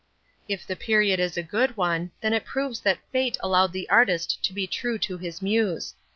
If the period is a good one, then it proves that fate allowed the artist to be true to his muse.